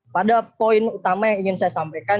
pada poin utama yang ingin saya sampaikan